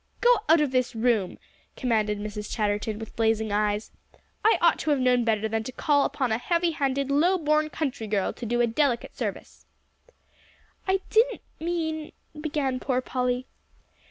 "Go out of this room," commanded Mrs. Chatterton, with blazing eyes. "I ought to have known better than to call upon a heavy handed, low born country girl, to do a delicate service." "I didn't mean " began poor Polly.